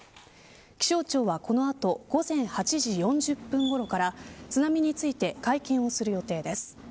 気象庁はこのあと午前８時４０分ごろから津波について会見をする予定です。